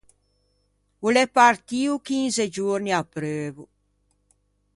O l’é partio chinze giorni apreuvo.